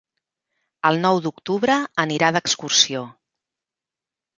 El nou d'octubre anirà d'excursió.